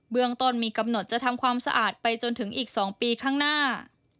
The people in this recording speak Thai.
เมืองต้นมีกำหนดจะทำความสะอาดไปจนถึงอีก๒ปีข้างหน้า